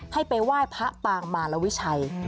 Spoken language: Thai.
ให้ไปว่ายพระปามาลวิชัย